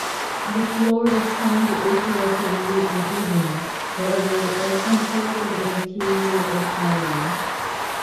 The floor of Hind is relatively uneven, however, compared to the interior of Halley.